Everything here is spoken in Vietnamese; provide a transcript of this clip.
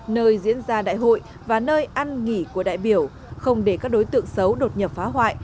nơi diễn ra đại hội và nơi ăn nghỉ của đại biểu không để các đối tượng xấu đột nhập phá hoại